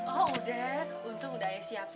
oh udah untung udah ayah siapin